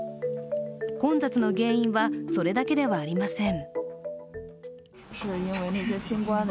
混雑の原因はそれだけではありません。